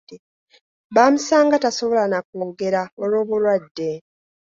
Baamusanga tasobola na kwogera olw'obulwadde.